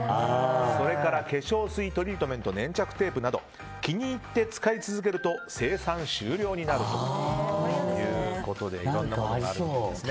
それから、化粧水トリートメント、粘着テープなど気に入って使い続けると生産終了になるということでいろんなものがあるんですね。